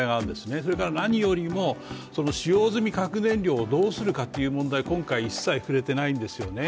それから何よりも、使用済み核燃料をどうするかという問題に今回、一切触れてないんですよね。